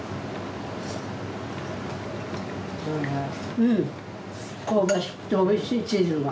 うん香ばしくておいしいチーズが。